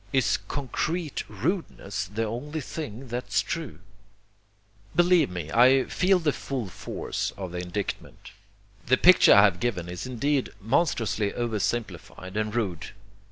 Is concrete rudeness the only thing that's true? Believe me, I feel the full force of the indictment. The picture I have given is indeed monstrously over simplified and rude.